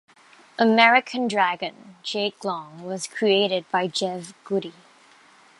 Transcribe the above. "American Dragon: Jake Long" was created by Jeff Goode.